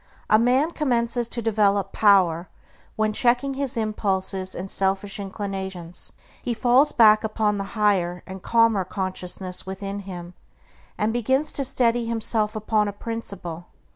A man commences to develop power when, checking his impulses and selfish inclinations, he falls back upon the higher and calmer consciousness within him, and begins to steady himself upon a principle.